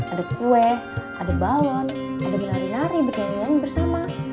ada kue ada balon ada berlari lari berkenyang kenyang bersama